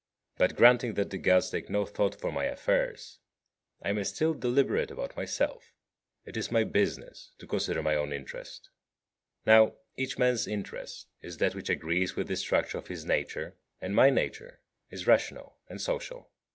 But, granting that the Gods take no thought for my affairs, I may still deliberate about myself. It is my business to consider my own interest. Now, each man's interest is that which agrees with the structure of his nature, and my nature is rational and social.